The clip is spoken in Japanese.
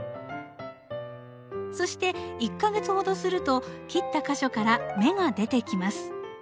そして１か月ほどすると切った箇所から芽が出てきます。